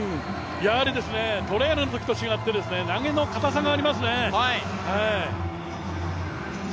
やはりトライアルのときと違って、投げの硬さがありますね。